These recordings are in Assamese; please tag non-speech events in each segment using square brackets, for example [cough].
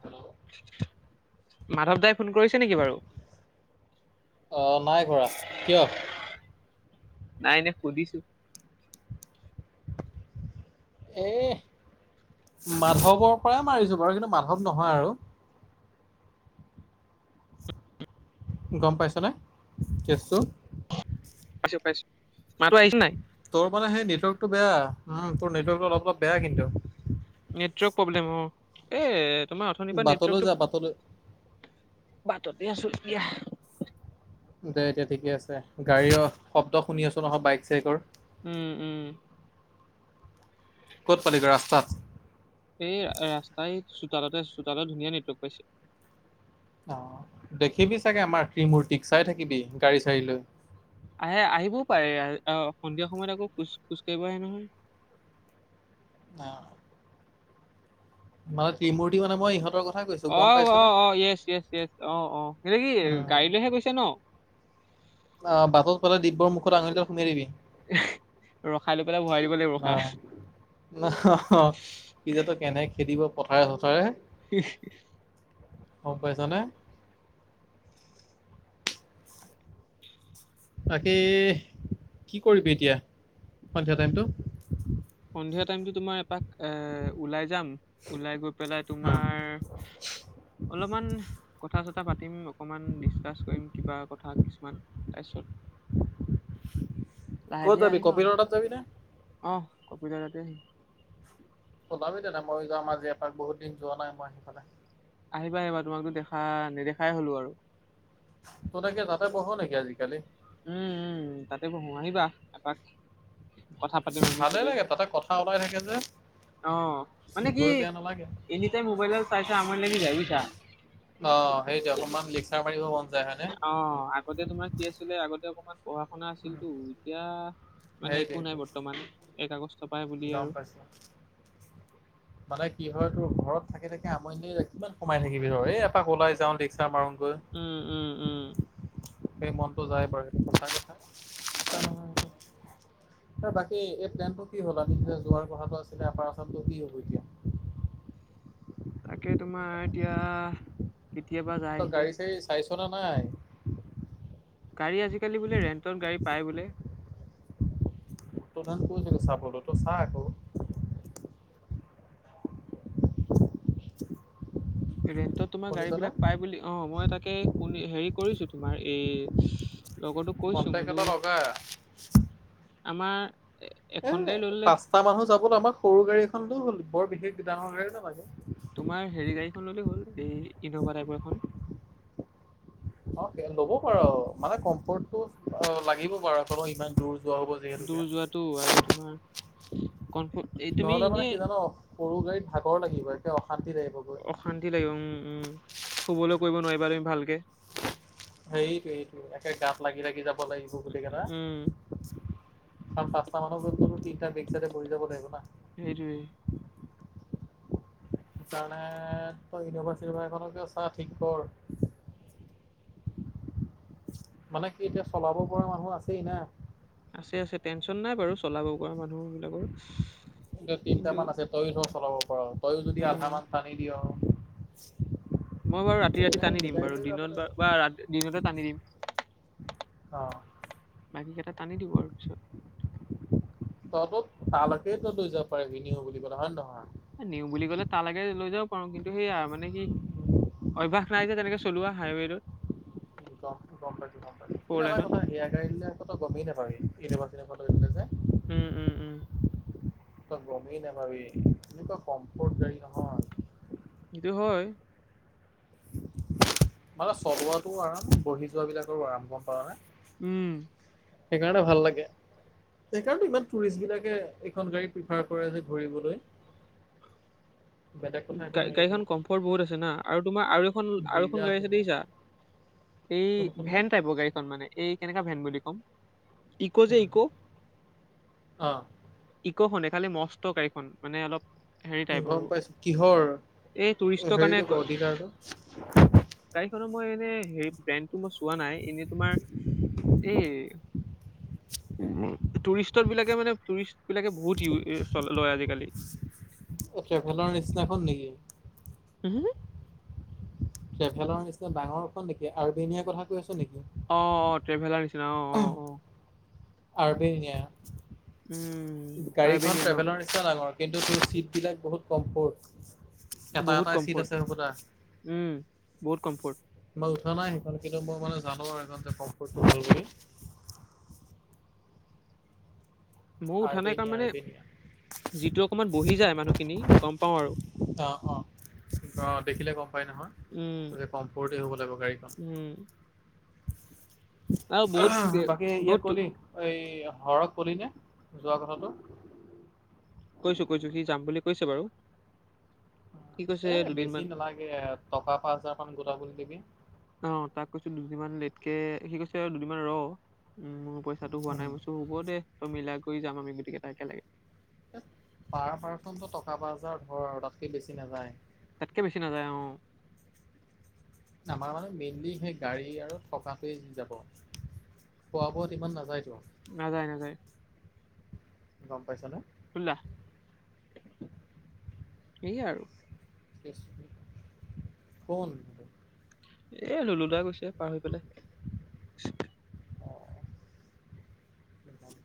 হেল্ল' মাধৱ দাই ফোন কৰিছে নিকি বাৰু? অ' নাই কৰা, কিয়? নাই এনে সুধিছো। হেহ, মাধৱৰ পৰাই মাৰিছোঁ বাৰু কিন্তু মাধৱ নহয় আৰু। গম পাইছনে? কেছটো। পাইছো-পাইছো, মাততো আহিছে নাই? তোৰ মানে সেই নেটৱৰ্কটো বেয়া উম, তোৰ নেটৱৰ্কটো অলপ অলপ বেয়া কিন্তু। নেটৱৰ্ক পব্লেম অ', এ তোমাৰ অথনিৰ পৰা বাটলৈ যা নেটৱৰ্কটোক বাটলৈ বাটতে আছো দিয়াহ। দে এতিয়া ঠিকে আছে গাড়ী-ৰ' শব্দ শুনি আছো নহয় বাইক-চাইকৰ। উম, উম। ক'ত পালি গৈ? ৰাস্তাত এই ৰা-ৰাস্তাই চোতালতে, চোতালত ধুনীয়া নেটৱৰ্ক পাইছে। অ, দেখিবি চাগে আমাৰ ট্ৰী-মূৰ্তিক চাই থাকিবি গাড়ী-চাড়ী লৈ। আহে আহিবও পাৰে আৰু, অ, সন্ধিয়া সময়ত আকৌ খোজ-খোজ কাৰিব আহে নহয়। অ'। মান, ত্ৰিমূৰ্তি, মানে, মই ইহতৰ অ', অ', অ', য়েচ, য়েচ, য়েছ। অ', অ', সিহঁতে কি উম গাড়ী লৈহে গৈছে ন। অ, বাটত পালে, দিব্যৰ মুখত, আঙুলিডাল [unintelligible] দিবি। ৰখাই লৈ পেলাই, ভৰাই দিব লাগিব ৰখা। পিছত, তোক কেনেকে খেদিব, পথাৰে-চথাৰে। [unintelligible] গম পাইছ নে। তাকে, কি কৰিবি এতিয়া, সন্ধিয়া টাইমতটো? সন্ধিয়া টাইমতো, তোমাৰ, এপাক এ ওলাই যাম। ওলাই গৈ পেলাই, উম, তোমাৰ অলপমান, কথা-চথা পাতিম। অকমান, ডিচকাচ কৰিম, কিবা কথা কিছুমান। তাৰপিছত লাহে ক'ত ধীৰে যাবি আহিম আৰু, কপিলৰ তাত যাবি নে? আহ, [unintelligible] আহিম। ওলাবি তেন্তে, মই যাম আজি এপাক বহুত দিন যোৱা নাই মই হেইফালে। আহিবা, আহিবা। তোমাকতো, দেখা নেদেখাই হ'ল আৰু। [unintelligible] তাতে বহ নেকি আজিকালি? উম, উম, তাতে বহোঁ। আহিবা এপাক। কথা পাতিম, আমি চবেই। ঠিক আছে। অ, মানে, কি, এনি টাইম মোবাইলদাল চাই, চাই, আমনি লাগি যায়, বুজিছা। অ, সেইটোৱে, অকণমান লেকচাৰ মাৰিব মন যায় হয়নে। অ, আগতে তোমাৰ কি আছিলে। আগতে, অকণমান পঢ়া-শুনা আছিলতো। এতিয়া, মানে, সেইটোৱে একো নাই। সেইটোৱে, বৰ্তমান, এক আগষ্ট পা হে [unintelligible] মানে কি হয়, তোৰ ঘৰত থাকে থাকে, আমনি লাগি যায়। কিমান সোমাই থাকিবি ৰ এ পাক ওলাই যাওঁ। লেকচাৰ মাৰোগৈ। উম, উম, উম। সেই, মনটো যায় বাৰু। সেইটো সচাঁ কথা। বাকী, এই প্লেনটো কি হ'ল? আমি যোৱাৰ কথাটো আছিলে। আপাৰ আছামটো কি হ'ব এতিয়া। তাকে, তোমাৰ এতিয়া কেতিয়াবা যায় তই, সিহঁতে গাড়ী-চাড়ী চাইছনে নাই? গাড়ী, আজিকালি বোলে, ৰেণ্টত গাড়ী পায় বোলে। তোক দেখোন কৈছিলো, চাবলে, তই চা আকৌ। [inaudible] ৰেণ্টত, তোমাৰ, শুনিছনে গাড়ীবিলাক পায় বুলি। অ, মই তাকে হেৰি কৰিছোঁ, তোমাৰ এই লগৰটোক কৈছোঁ কণ্টেক্ট বোলো এটা লগা আমাৰ এ এখন গাড়ী ল'লে [unintelligible] মানুহ যাবলৈ, আমাক সৰু গাড়ী এখন হ'লেও হ'ল। বৰ বিশেষ ডাঙৰ গাড়ীও নালাগে। তোমাৰ হেৰি, গাড়ীখন ল'লে হ'ল। এই ইন'ভা টাইপৰ এখন। অ, ল'ব পাৰ মানে, কমফৰ্টটো অ, লাগিব বাৰু। [unintelligible] ইমান দূৰ যোৱা হ'ব দূৰ যোৱাটো আৰু তোমাৰ যিহেতুকে। কমফ এই তুমি নহ'লে, মানে এনেই কি হ'ব জান? সৰু গাড়ীত ভাগৰ লাগিব, একে অশান্তি লাগিব গৈ। অশান্তি লাগিব। উম, উম, শুবলৈ কৰিব নোৱাৰিবা তুমি ভালকে। সেইটো, সেইটো, একে গাত লাগি, লাগি যাব লাগিব, গোটেই কেইটা। উম আৰু পাঁচটা মানুহ, [unintelligible] তিনিটা বেগ চাইডে বহি যাব লাগিব নে। সেইটোৱে। কাৰণে, তই এনোভা-চিনোভা এখনকে চা, ঠিক কৰ। মানে কি, এতিয়া চলাব পৰা মানুহ আছেই না। আছে, আছে। টেনশ্যন নাই বাৰু, চলাব পৰা মানুহবিলাকৰ। তিনিটা মান আছে, তইয়ো ধৰ, চলাব পাৰ। তইও যদি উম আধা মান টানি দিয় মই বাৰু ৰাতি ৰাতি তেনেকে টানি দিম মিলাই বাৰু মেলি যাব দিনত লাগিব বা দিনতে টানি দিম অ' বাকী কেইটা টানি দিব আৰু পিছত তইতো তালৈকে তই লৈ যাব পাৰে নিও বুলি ক'লে হয় নে নহয় নিওঁ বুলি ক'লে তাল লাগে লৈ যাব পাৰো কিন্তু সেইয়া মানে কি অভ্যাস নাই যে তেনেকে চলোৱা হাইৱেটোত গম পাইছোঁ গম ফ'ৰ লাইনত পাইছোঁ এয়া গাৰি ললে আকৌ টো গমেই নাপাবি ইউনিভাৰ্চিট ফালে গলে যে উম উম উম তই গমেই নাাপাবি এনেকুৱা কমফৰ্ট গাড়ী নহয় হেটো হয় মানে চলোৱাটো আৰাম বঢ়ি যোৱাটো আৰু আৰাম গম পাইছা নে উম সেইকাৰণে ভাল লাগে সেইকাৰণে ইমান টুৰিষ্ট বিলাকে এখন গাড়ী প্ৰিফাৰ কৰে যে ঘূৰিবলৈ বেলেগ কথা একো গা নাই গাড়ীখন এইটোৱে কম্ফৰ্ট বহুত আছে না আৰু তোমাৰ আৰু আৰুখন বিৰাট গাড়ী আছে ধুনীয়া দেখিছা এই কোনখন বা ভেন টাইপৰ গাড়ীখন মানে এই কেনেকা ভেন বুলি ক'ম ইক' যে ইক অ ইকো খনে খালি মস্ত কৈ গাড়ীখন মানে অলপ হেৰি টাইপ গম আৰু পাইছো কিহৰ এই টুৰিষ্টৰ কাৰণে হেৰিটো ক অধিকাৰটো গাড়ীখনৰ মই এনে হে ব্ৰেণ্ডটো মই চোৱা নাই এনে তোমাৰ এই টুৰিষ্টৰ বিলাকে মানে টুৰিষ্ট বিলাকে বহুত লয় আজিকালি ট্ৰেভেলাৰ নিচিনাখন নেকি [inaudible] ট্ৰেভেলাৰ নিচিনা ডাঙৰ খন নেকি আৰ্মেনিয়া কথা কৈ আছ নেকি অ', অ', ট্ৰেভেলাৰ নিচিনা অ', অ', অ', আৰবেনিয়া উম গাড়ীখন আৰ্বেনিয়া ন ট্ৰেভেলৰ নিছিনা ডাঙৰ কিন্তু চিট বিলাক বহুত কম্ফৰ্ট এটা বহুত এটা চিট কমফৰ্ট আছে হ'ব লা উম বহুত কমফৰ্ট উঠা নাই সেই কিন্তু মই মানে জানো আৰু সেইখন যে কম্ফৰ্তটো ভাল বুলি মই উঠা নাই কাৰণ আৰ্বেনিয়া মানে আৰ্বেনিয়া যিটো অকমান বহি যায় মানুহখিনি গম পাওঁ আৰু অ', অ', অ', দেখিলে গম পাই নহয় উম গতিকে কম্ফৰ্তে হ'ব লাগিব গাড়ীখন উম আৰু বহুত এ, বাকী ইয়াক বহুত তো- কলি এই হৰক কলি নে যোৱা কথাটো কৈছো কৈছো সি যাম বুলি কৈছে বাৰু সি কৈছে এ বেছি দুদিনমান নালাগে টকা পাঁচ হাজাৰ মান গোটাব দিবি অ' তাক কৈছো দুদিনমান লেটকে সি কৈছে দুদিনমান ৰ মোৰ পইচা পইছাটো হোৱা নাই হব দে তই মিলাই কৰি যাম আমি গোটেকেটা একেলগে পাৰ পাৰ্চনো টকা পাচ হাজাৰ ধৰ আৰু তাতকে বেছি নাযায় তাতকে বেছি নাযায় অ' আমাৰ মানে মেইনলি সেই গাড়ী আৰু থকাতোৱে যাব খোৱা বোৱাত ইমান নাযায় তো নাযায় নাযায় গম পাইছ নে [unintelligible] এই আৰু কোন এ লোলোদা গৈছে পাৰ হৈ পেলাই-। অ [inaudible]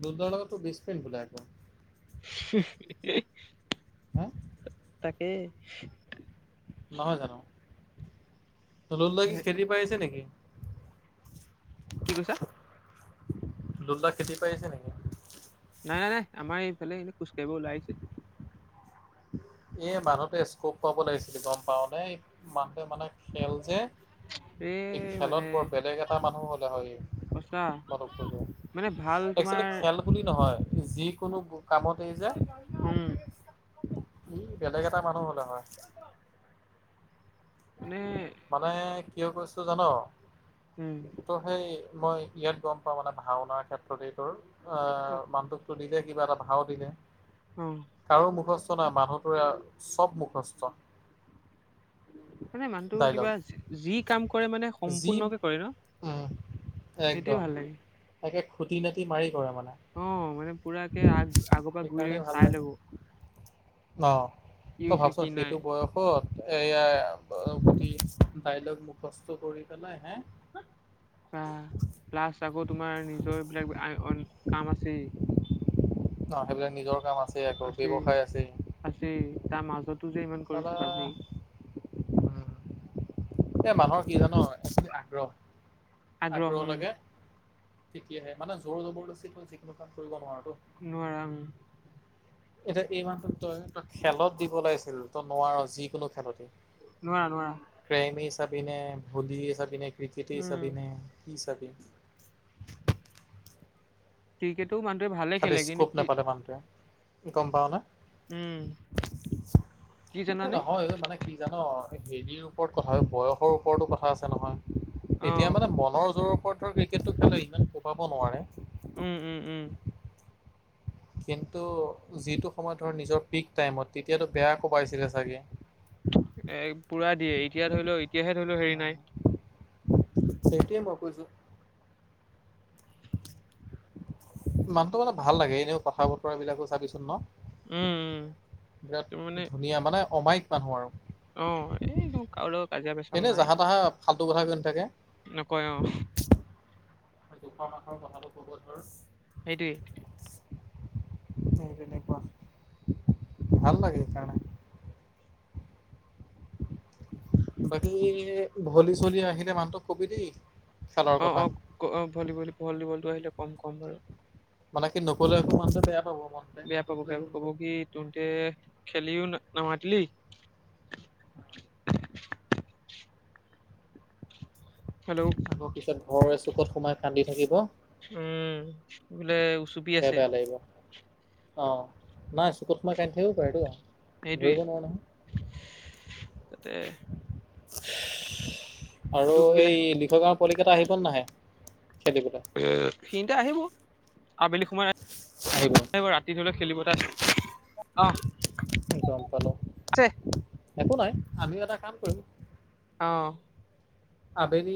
লোলো দা লগত বোলে বেষ্ট ফ্ৰেণ্ড বোলে আকৌ উমঃ এ হা তাকেই নহয় জানো, লোলোদা কি হে খেতি পৰা আহিছে নেকি? কি কৈছা? লোলল দা খেতি পৰা আহিছে নেকি, নাই নাই আমাৰ এইফালেই এনে খোজ কাহিব ওলাই আহিছে। এই বান্ধটে স্কোপ পাব লাগিছিলে গ'ম পাৱনে মানুহে মানে খেল যে এ ই মানে খেলত বৰ বেলেগ এটা মানুহ হ'লে হয়ই। সঁচা কথা নোখোনে মানে ভাল এক্সচোৱেলি তোমাৰ খেল বুলি নহয়, যি কোনো কামতেই যে উম। ই বেলেগ এটা মানুহ হ'লে হয়। নিৰ মানে কিয় কৈছোঁ জানো। উম। ত' সেই মই ইয়াত গ'ম পাওঁ। মানে ভাওনাৰ ক্ষেত্ৰতে এইটোৰ অ' মানুটোকতটো দিলে কিবা এটা ভাও দিলে। উম। কাৰো মুখস্থ নাই মানুহতোৰে চ'ব মুখস্থ। মানে মানুহটো ডাইলগ কিবা যি কাম কৰে মানে যি সম্পূৰ্ণকে কৰে ন। উম সেইটোৱে একদম ভাল লাগে। তাকে খুটি নাতি মাৰি কৰে মানে। অ' মানে পুৰাকে আগ আগ পৰা সেইকাৰণেই গুৰিলেকে ভাল চাই লাগে ল'ব। অ' কি তই হৈছে কি ভাবচোন নাই সেইটো বয়স। ক'ত এইয়া গ ডাইলগ মুখস্থ কৰি পেলাইহে। বা প্লাছ আকৌ তোমাৰ নিজৰ এইবিলাক আই অন কাম আছেই। অ' সেইবিলাক নিজৰ কাম আছে। আকৌ আছেই ব্যৱসায় আছেই আছেই তাৰ মাজতো যে ইমান চালা কৰিচো চাবি। এ মানুহৰ কি জানো আগ্ৰহ, আগ্ৰহ লাগে। তেতিয়াহে মানে জোৰ জবৰদস্তি তই যিকোনো কাম কৰিব নোৱাৰ টো। নোৱাৰা উম। এতিয়া এই মাহটোত তই তই খেলত দিব লাগিছিল। তই নোৱাৰা যিকোনো খেলতে। নোৱাৰা, নোৱাৰা। ক্ৰেমে চাবি নে, ভলিয়েই চাবি নে, ক্ৰিকেটেই উম চাবি নে কি চাবি ক্ৰিকেটো মানুহটোৱে ভাল খালী স্কপ নাপাতে মানুহটোৱে। গ'ম পাৱ নে উম কি এ জানানে নহয় অ' মানে। কি জান হেৰিৰ ওপৰত কথা বয়সৰ ওপৰতো কথা আছে নহয়। অ এতিয়া মানে মনৰ জোৰৰ ওপৰতৰ ক্ৰিকেটটো খেলে ইমান কোবাব নোৱাৰে। উম, উম, উম। কিন্তু যিটো সময়ত ধৰ নিজৰ পিক টাইমত তেতিয়াতো বেয়া কোবাইছিলে চাগে। এক পুৰা দিয়ে এতিয়া ধৰি ল এতিয়াহে ধৰি লওঁক হেৰি নাই। সেইটোৱে মই কৈছোঁ। মানুহটো মানে ভাল লাগে, এনেও কথা বতৰা বিলাকো চাবিচোন ন। উম উম তুমি মানে বিৰাট ধুনীয়া মানে অমায়িক মানুহ আৰু। অ, এইটো কাৰো লগত কাজিয়া পেচাল নাই। ফালটো কথা কৈ নাথাকে। নকয় অ'। দুশ মানুহৰ কথাটো ক'ব ধৰ। সেইটোৱে। সেই তেনেকুৱা, ভাল লাগে সেইকাৰণে। বাকী ভলী, চলী আহিলে মানুহটোক কবি দেই। খেলৰ অ', কথা অ', অ', ভলিবলি-ভলীবলটো আহিলে ক'ম, ক'ম বাৰু। মানে কি নক'লে আকৌ মানুহটোৱে বেয়া পাব মন বেয়া পাব বেয়া পাব, ক'ব কি, তহঁতে খেলিও নামাতিলি [inaudible] আকৌ পিছত ঘৰৰ এচুকত সোমাই কান্দি থাকিব। উম, বোলে উুচু বেয়া, বেয়া লাগিব, অ, নাই চুকত সোমাই কান্দি থাকিব পাৰেতো। সেইটোৱেই, ধৰিব নোৱাৰো নহয় তাতে আৰু দুখ এই বিলাই [unintelligible] গাঁৱৰ পোৱালিকেইটা আহিব নাহে খেলিবলৈ? এ, সিহঁতে আহিব, আবেলি সময়। আহিব। ৰাতি ধৰি ল খেলিবলৈ [unintelligible] গম পালো, আছে একো নাই, আমিও এটা কাম কৰিম। অ'। আবেলি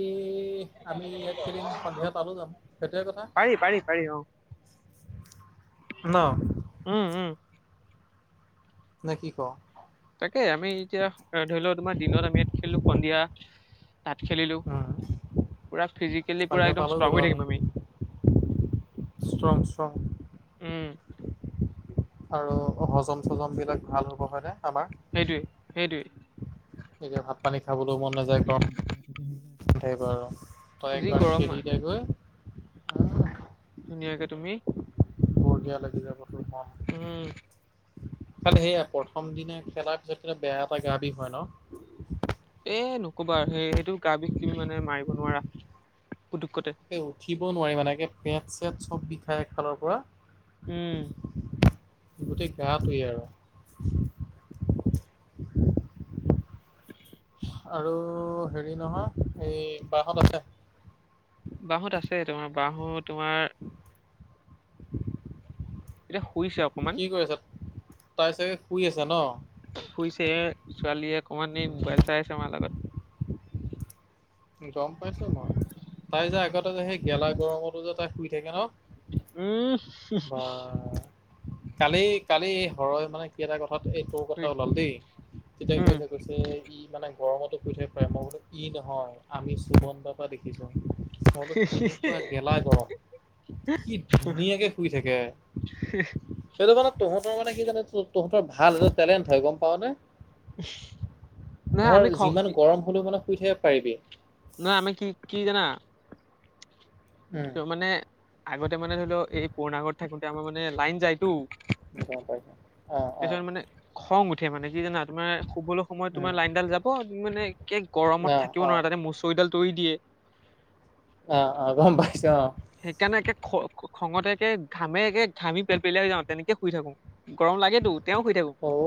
আমি ইয়াত খেলিম, সন্ধিয়া তালৈও যাম, সেইটোহে কথা। পাৰি পাৰি পাৰি অ ন? উম, উম। নে, কি, ক? তাকে, আমি এতিয়া ধৰি লোৱা তোমাৰ দিনত আমি ইয়াত খেলিলো, সন্ধিয়া তাত খেলিলোঁ, উম, পূৰা ফিজিকেলি পূৰা সন্ধিয়া একদম তালৈ ষ্ট্ৰং গ'লো হৈ থাকিম আমি। Strong, strong. উম। আৰু হজম চজম বিলাক ভাল হ'ব, হয়নে আমাৰ? সেইটোৱেই, সেইটোৱেই। তেতিয়া ভাত, পানী খাবলৈও মন নাযায় গৰম [inaudible] থাকিব আৰু। তই যি একবাৰ গৰম খেলি দে গৈ ধুনীয়াকে তুমি বেয়া লাগি যাব তোৰ উম মনটো। খালি সেয়াই, প্ৰথম দিনা খেলাৰ পিছত কিন্ত বেয়া এটা গা বিষ হয় ন? এ, নকবা আৰু, সেই-সেইটো গা বিষ তুমি মানে মাৰিব নোৱাৰা, পুটুককতে। উঠিব নোৱাৰি মানে, একে পেট, চেট চব বিষায় এফালৰ পৰা উম। গোটেই, গাটোৱে আৰু। [inaudible] আৰু হেৰি নহয় এই বাহঁত আছে। বাহঁত আছে তোমাৰ, বাহঁত তোমাৰ [inaudible] এতিয়া শুইছে অকমান। কি কৰি আছে, তাই চাগে শুই আছে ন? শুইছে, এই ছোৱালীয়ে অকমান এই মোবাইল চাই আছে মাৰ লগত। গম পাইছো মই, তাই যে আগতে যে সেই গেলা গৰমতো যে তাই শুই থাকে ন? উম বা, কালি, কালি হৰই মানে এটা কথাত এই তোৰ কথা হুই, ওলাল দেই, তেতিয়া উম কৈছে, কৈছে যে ই মানে গৰমতো শুই থাকিব পাৰে, মই বোলো ই নহয়, আমি সুমন বা পৰা দেখিছোঁ। মই বুলো কেনেকুৱা গেলা গৰম কি ধুনীয়াকে শুই থাকে। সেইটো মানে তহঁতৰ মানে কি জান, ত-তহঁতৰ ভাল, এইটো টেলেণ্ট হয় গম পাৱনে? [inaudible] নহয় ধৰ আমি খং যিমান কি গৰম হলেও মানে শুই থাকে পাৰিবি নহয় আমি কি কি জানা উম তো মানে, আগতে মানে ধৰি লও! এই পুৰণা ঘৰত থাকোতে আমাৰ মানে লাইন যায়তো গম পাইছোঁ তাৰপিছত, মানে খং উঠে মানে কি জানা! তোমাৰ শুবলৈ সময়ত উম তোমাৰ লাইনডাল যাব মানে একে অ গৰমত থাকিব অ নোৱাৰে! তাতে মচৰিডাল তৰি দিয়ে অ', অ', গম পাইছো অ' সেইকাৰণে, একে খ খঙতে একে ঘামে একে ঘামি পেল পেলাই যাওঁ তেনেকে শুই থাকো গৰম লাগেতো তেওঁ শুই থাকো অ'